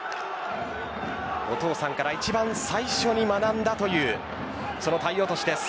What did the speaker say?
お父さんから一番最初に学んだというその体落です。